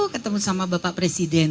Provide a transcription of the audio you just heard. ketemu sama bapak presiden